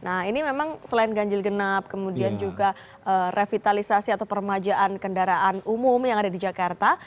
nah ini memang selain ganjil genap kemudian juga revitalisasi atau permajaan kendaraan umum yang ada di jakarta